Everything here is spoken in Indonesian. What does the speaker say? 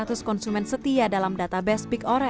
ada sekitar dua lima ratus konsumen setia dalam database big oret